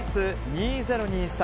２０２３